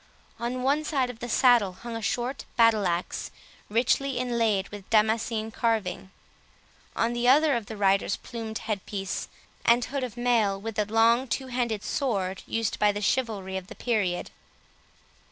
On one side of the saddle hung a short battle axe, richly inlaid with Damascene carving; on the other the rider's plumed head piece and hood of mail, with a long two handed sword, used by the chivalry of the period.